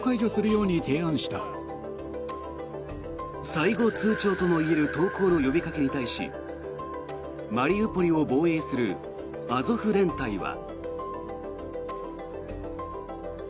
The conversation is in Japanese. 最後通ちょうともいえる投降の呼びかけに対しマリウポリを防衛するアゾフ連隊は。